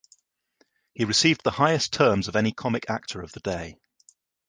He received the highest terms of any comic actor of the day.